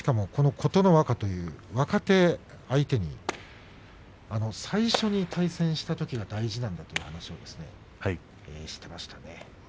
琴ノ若という若手相手に最初に対戦したときが大事だという話をされていました。